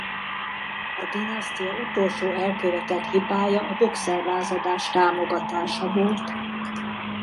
A dinasztia utolsó elkövetett hibája a bokszerlázadás támogatása volt.